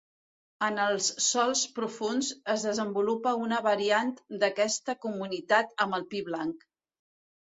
En els sòls profunds es desenvolupa una variant d'aquesta comunitat amb el pi blanc.